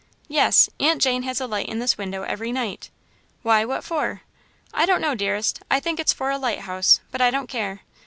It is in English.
"Yes, Aunt Jane has a light in this window every night." "Why, what for?" "I don't know, dearest. I think it's for a lighthouse, but I don't care.